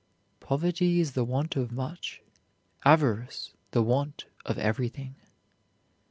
Poverty is the want of much, avarice the want of everything.